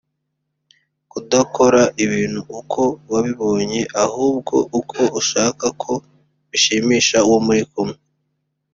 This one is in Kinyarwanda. Kudakora ibintu uko wabibonye ahubwo uko ushaka ko bishimisha uwo muri kumwe